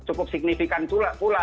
ini lebih signifikan pula gitu lah